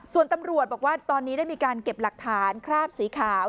ส่วนตำรวจบอกว่าตอนนี้ได้มีการเก็บหลักฐานคราบสีขาว